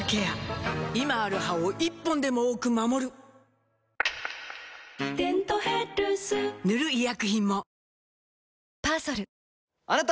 今ある歯を１本でも多く守る「デントヘルス」塗る医薬品も